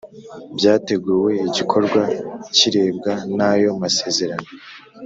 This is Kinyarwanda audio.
byateguye igikorwa kirebwa n ayo masezerano